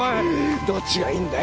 どっちがいいんだよ？